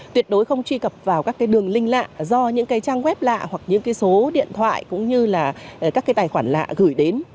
tuyệt đối không truy cập vào các cái đường link lạ do những cái trang web lạ hoặc những cái số điện thoại cũng như là các cái tài khoản lạ gửi đến